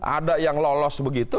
ada yang lolos begitu